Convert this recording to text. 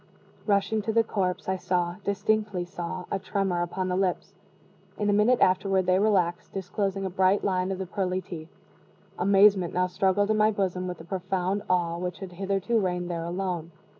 Rushing to the corpse, I saw distinctly saw a tremor upon the lips. In a minute afterward they relaxed, disclosing a bright line of the pearly teeth. Amazement now struggled in my bosom with the profound awe which had hitherto reigned there alone.